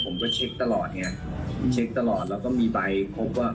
ผมก็เช็คตลอดไงเช็คตลอดแล้วก็มีใบพบว่า